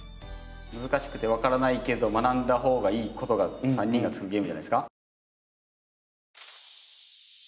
難しくてわからないけど学んだ方がいい事が３人が作るゲームじゃないですか。